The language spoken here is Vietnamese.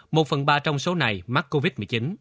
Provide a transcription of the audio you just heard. một phần ba trong số này mắc covid một mươi chín